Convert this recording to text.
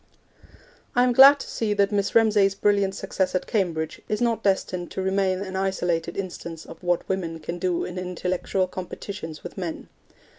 I am glad to see that Miss Ramsay's brilliant success at Cambridge is not destined to remain an isolated instance of what women can do in intellectual competitions with men.